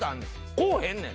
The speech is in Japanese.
こおへんねん！